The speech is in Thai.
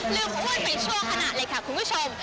ลืมอ้วนไปชั่วขนาดเลยค่ะคุณผู้ชม